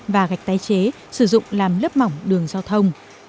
và gạch tái chế sử dụng làm lớp mỏng đường giao thông